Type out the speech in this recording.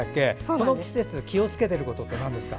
この季節、気をつけてることってなんですか？